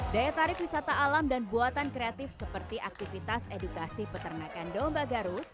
daya tarik wisata alam dan buatan kreatif seperti aktivitas edukasi peternakan domba garut